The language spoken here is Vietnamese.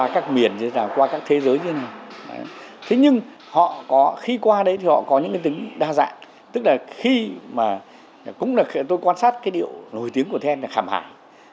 cũng là tôi quan sát cái điệu nổi tiếng của then là khảm hải